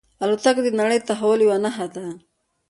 الوتکه د نړۍ د تحول یوه نښه ده.